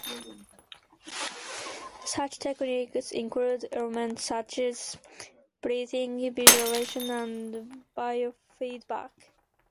Such techniques included elements such as breathing, visualization and biofeedback.